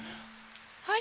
はい。